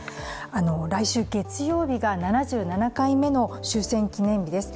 来週月曜日が７７回目の終戦記念日です。